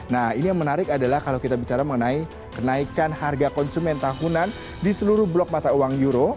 nah ini yang menarik adalah kalau kita bicara mengenai kenaikan harga konsumen tahunan di seluruh blok mata uang euro